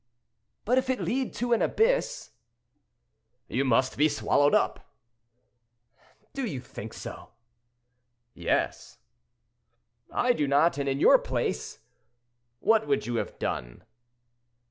"But if it lead to an abyss?" "You must be swallowed up!" "Do you think so?" "Yes!" "I do not: and in your place—" "What would you have done?"